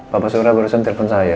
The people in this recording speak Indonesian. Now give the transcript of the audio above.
papa surra barusan telfon saya